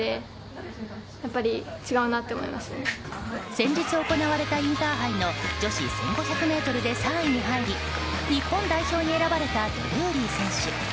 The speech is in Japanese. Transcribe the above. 先日行われたインターハイの女子１５００ｍで３位に入り日本代表に選ばれたドルーリー選手。